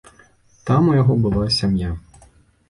Там у яго была сям'я.